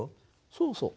そうそう。